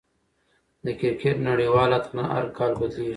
د کرکټ نړۍوال اتلان هر کال بدلېږي.